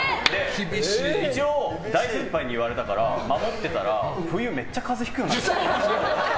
一応、大先輩に言われたから守ってたら冬めっちゃ風邪ひくようになった。